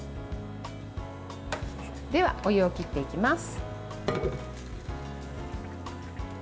では、お湯を切っていきます。